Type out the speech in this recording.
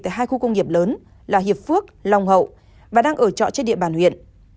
tại hai khu công nghiệp lớn là hiệp phước long hậu và đang ở trọ trên địa bàn huyện